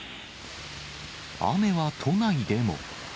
雨は都内でも。